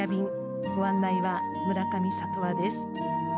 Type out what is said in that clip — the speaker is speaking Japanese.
ご案内は村上里和です。